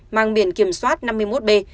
mang biển kiểm soát năm mươi một b